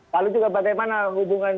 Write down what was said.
lalu juga bagaimana hubungan